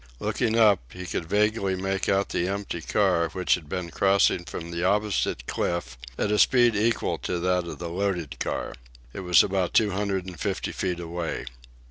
Looking up, he could vaguely make out the empty car, which had been crossing from the opposite cliff at a speed equal to that of the loaded car. It was about two hundred and fifty feet away.